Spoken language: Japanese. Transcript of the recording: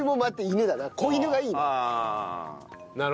子犬がいいな。